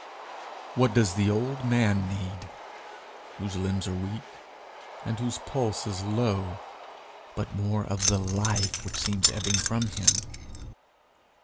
What does the old man need, whose limbs are weak and whose pulse is low, but more of the life which seems ebbing from him?